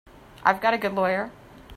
I've got a good lawyer.